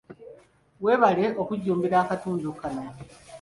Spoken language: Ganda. Weebale okujjumbira akatundu kano.